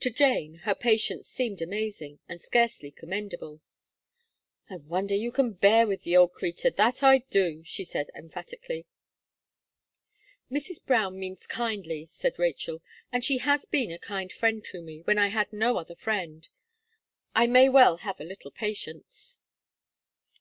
To Jane, her patience seemed amazing, and scarcely commendable. "I wonder you can bear with the old creetur, that I do," she said, emphatically. "Mrs. Brown means kindly," said Rachel, "and she has been a kind friend to me, when I had no other friend. I may well hare a little patience."